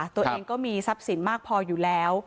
ตัวเองก็มีทรัพย์สินมากพออยู่แล้ว